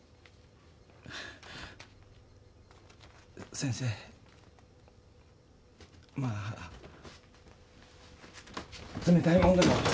先生まあ冷たいもんでも。